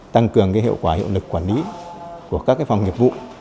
tăng cường cái hiệu quả hiệu lực quản lý của các cái phòng nghiệp vụ